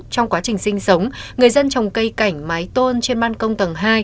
trong quá trình sinh sống người dân trồng cây cảnh mái tôn trên ban công tầng hai